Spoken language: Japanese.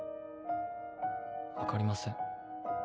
分かりません。